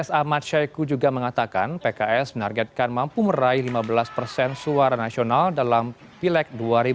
pks ahmad syeku juga mengatakan pks menargetkan mampu meraih lima belas persen suara nasional dalam pileg dua ribu dua puluh empat